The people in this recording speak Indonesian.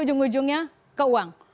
ujung ujungnya ke uang